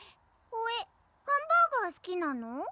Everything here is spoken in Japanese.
ほえハンバーガーすきなの？